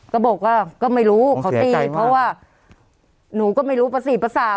ก็บอกว่าก็ไม่รู้เขาตีเพราะว่าหนูก็ไม่รู้ประสี่ภาษา